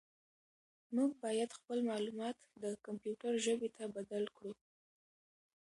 موږ باید خپل معلومات د کمپیوټر ژبې ته بدل کړو.